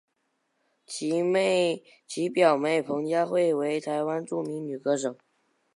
其表妹彭佳慧为台湾著名女歌手。